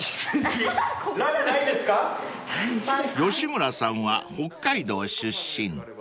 ［吉村さんは北海道出身］